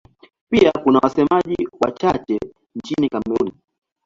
Pia kuna wasemaji wachache nchini Kamerun.